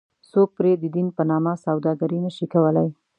څوک پرې ددین په نامه سوداګري نه شي کولی.